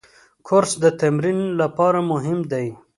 کورس د تمرین لپاره مهم دی.